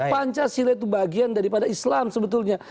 pancasila itu bagian daripada islam sebetulnya